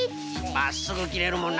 まっすぐきれるもんな。